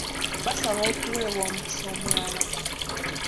Baasaba okuweebwa omukisa omulala.